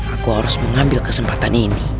aku harus mengambil kesempatan ini